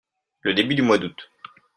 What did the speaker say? Le début du mois d'août.